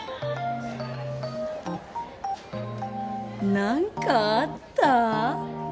何かあった？